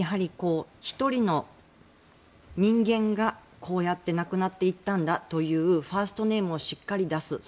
１人の人間がこうやって亡くなっていったんだというファーストネームをしっかり出す。